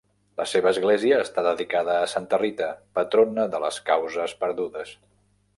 La seva església està dedicada a Santa Rita, patrona de les causes perdudes.